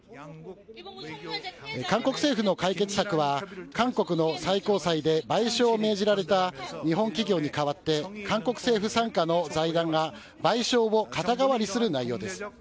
韓国政府の解決策は、韓国の最高裁で賠償を命じられた日本企業に代わって韓国政府傘下の財団が賠償を肩代わりする内容です。